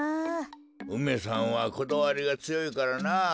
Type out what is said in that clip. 梅さんはこだわりがつよいからなあ。